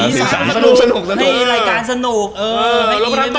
ให้รายการสนุก